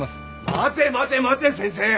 待て待て待て先生！